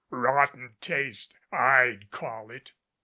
Rotten taste I'd call it."